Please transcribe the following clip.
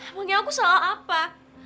emang yang aku salah apa